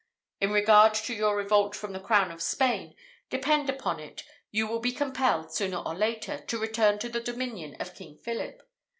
In regard to your revolt from the crown of Spain, depend upon it you will be compelled, sooner or later, to return to the dominion of King Philip.